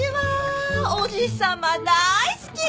おじ様大好き！